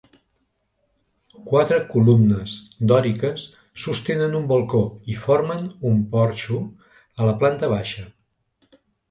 Quatre columnes dòriques sostenen un balcó i formen un porxo a la planta baixa.